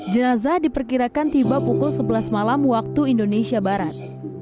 jenazah diperkirakan tiba pukul sebelas malam waktu indonesia barat